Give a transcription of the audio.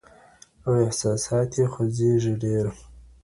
او احساسات يې خوځېږي ډېر.